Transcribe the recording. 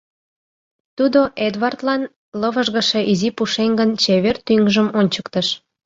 — тудо Эдвардлан лывыжгыше изи пушеҥгын чевер тӱҥжым ончыктыш.